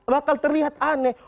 bakal terlihat aneh